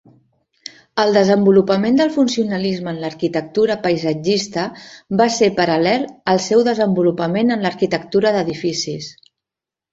El desenvolupament del funcionalisme en l'arquitectura paisatgista va ser paral·lel al seu desenvolupament en l'arquitectura d'edificis.